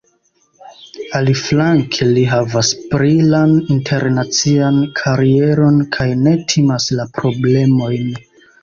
Aliflanke, li havas brilan internacian karieron kaj ne timas la problemojn.